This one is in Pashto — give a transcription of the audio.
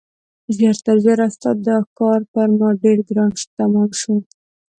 ژر تر ژره ستا دا کار پر ما ډېر ګران تمام شو.